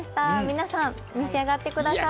皆さん、召し上がってください。